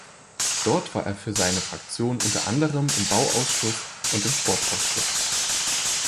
Dort war er für seine Fraktion unter anderem im Bauausschuss und im Sportausschuss.